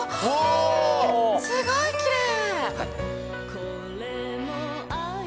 すごいきれい。